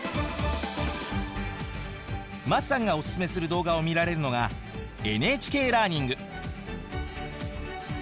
桝さんがオススメする動画を見られるのがＮＨＫラーニング。